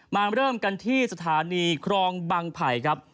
มาเริ่มกันที่สถานีครองบังไผ่ครับ